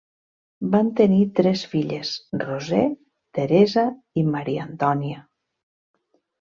Van tenir tres filles, Roser, Teresa i Maria Antònia.